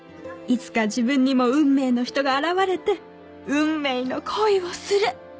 いつか自分にも運命の人が現れて運命の恋をする！